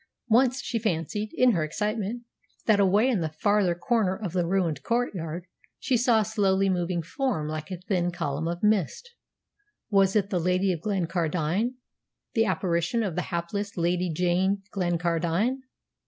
Once she fancied, in her excitement, that away in the farther corner of the ruined courtyard she saw a slowly moving form like a thin column of mist. Was it the Lady of Glencardine the apparition of the hapless Lady Jane Glencardine?